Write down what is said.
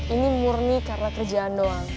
ini murni karena kerjaan doang